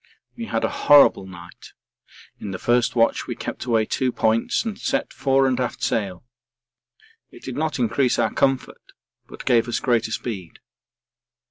We had a horrible night. In the first watch we kept away 2 points and set fore and aft sail. It did not increase our comfort but gave us greater speed.